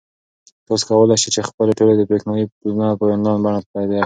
تاسو کولای شئ چې خپلې ټولې برېښنايي بلونه په انلاین بڼه تادیه کړئ.